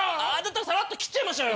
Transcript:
⁉さらっと切っちゃいましょうよ！